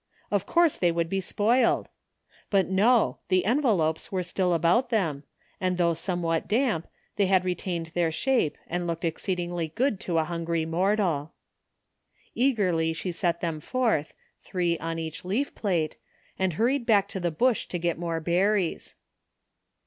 Of course they would be spoiled! But no— the envelopes were still about them, and though somewhat damp they had re tained their shape and looked exceedingly good to a htmgry mortal. Eagerly she set them forth, three on each leaf plate, and hurried back to the bush to get more berries.